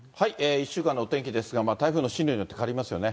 １週間のお天気ですが、台風の進路によって変わりますね。